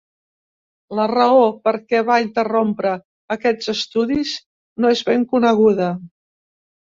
La raó per què va interrompre aquests estudis no és ben coneguda.